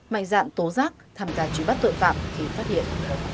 mạnh dạng tố giác tham gia truy bắt tội phạm khi phát hiện